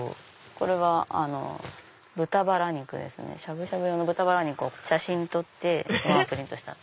これは豚バラ肉ですねしゃぶしゃぶ用の豚バラ肉を写真撮ってプリントした。